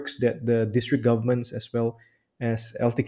kerja yang diberikan oleh pemerintah distrik